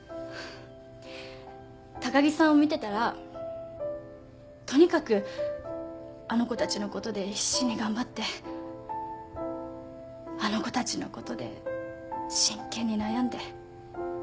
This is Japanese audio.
高木さんを見てたらとにかくあの子たちのことで必死に頑張ってあの子たちのことで真剣に悩んで。